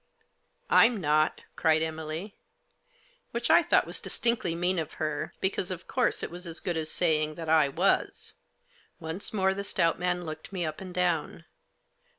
I'm not," cried Emily. Which I thought was distinctly mean of her, because, of course, it was as good as saying that I was. Once more the stout man looked me up and down.